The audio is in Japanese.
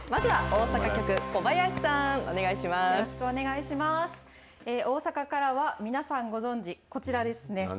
大阪からは皆さんご存じ、こちらですね。